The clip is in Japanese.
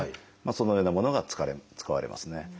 そのようなものが使われますね。